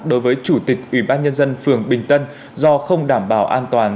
đối với chủ tịch ủy ban nhân dân phường bình tân do không đảm bảo an toàn